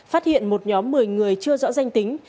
phát hiện một nhóm một mươi người chưa rõ danh tính